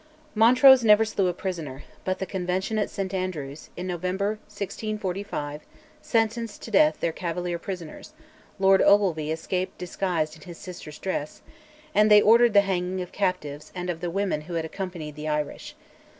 Montrose never slew a prisoner, but the Convention at St Andrews, in November 1645, sentenced to death their Cavalier prisoners (Lord Ogilvy escaped disguised in his sister's dress), and they ordered the hanging of captives and of the women who had accompanied the Irish.